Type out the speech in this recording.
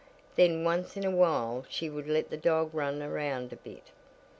Then once in a while she would let the dog run around a bit.